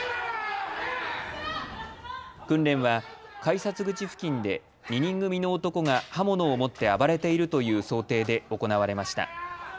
訓練は改札口付近で２人組の男が刃物を持って暴れているという想定で行われました。